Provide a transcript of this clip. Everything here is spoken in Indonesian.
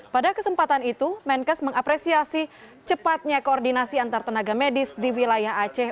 pada kesempatan itu menkes mengapresiasi cepatnya koordinasi antar tenaga medis di wilayah aceh